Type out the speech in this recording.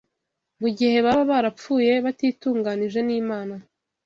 mu gihe baba barapfuye batitunganije n’Imana